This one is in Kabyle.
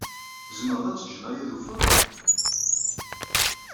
Tzemred ad tejjed aya d ufur?